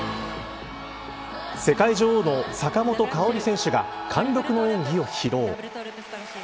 世界女王の坂本花織選手が貫禄の演技を披露。